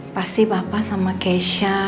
pasti bapak sama keisha